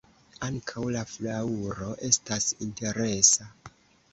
Ankaŭ la flaŭro estas interesa.